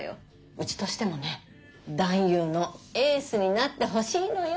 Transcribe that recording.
うちとしてもね男優のエースになってほしいのよ